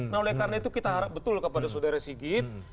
nah oleh karena itu kita harap betul kepada saudara sigit